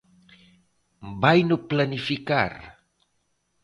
¿Vaino planificar?